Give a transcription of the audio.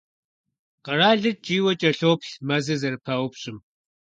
Къэралыр ткӀийуэ кӀэлъоплъ мэзыр зэрыпаупщӀым.